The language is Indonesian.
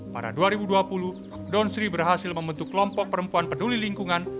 pada dua ribu dua puluh donsri berhasil membentuk kelompok perempuan peduli lingkungan